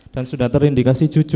dan sudah terindikasi jujur